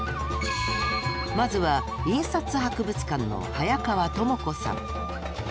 まずは印刷博物館の早川知子さん。